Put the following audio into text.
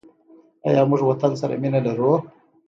آیا موږ وطن سره مینه لرو؟